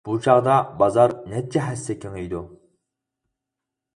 بۇ چاغدا بازار نەچچە ھەسسە كېڭىيىدۇ.